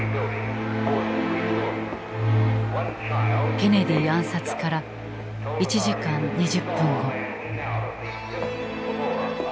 ケネディ暗殺から１時間２０分後。